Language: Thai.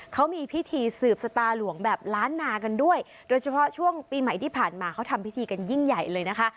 เขามีพิธีสืบชะตาหลวงแบบล้านนากันด้วยโดยเฉพาะช่วงปีใหม่ที่ผ่านมาเขาทำพิธีกันยิ่งใหญ่เลยนะคะ